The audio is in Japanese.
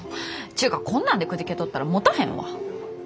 ちゅうかこんなんでくじけとったらもたへんわ。